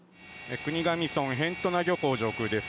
国頭村辺土名漁港、上空です。